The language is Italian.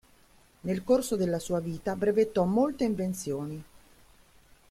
Nel corso della sua vita brevettò molte invenzioni.